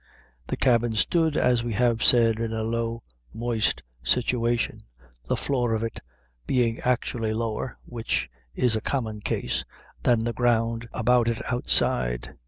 The cabin stood, as we have said, in a low, moist situation, the floor of it being actually lower which is a common case than the ground about it outside.